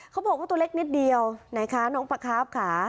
เขาบอกว่าตัวเล็กนิดเดียวไหนคะน้องปลาครับค่ะ